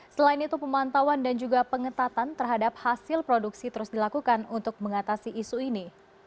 selain itu pemantauan dan juga pengetatan terhadap hasil produksi terus dilakukan untuk mengatasi isu ini